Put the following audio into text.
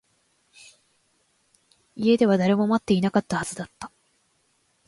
家では誰も待っていないはずだった